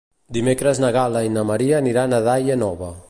Dimecres na Gal·la i na Maria aniran a Daia Nova.